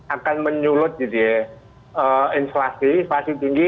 akan menyulut inflasi inflasi tinggi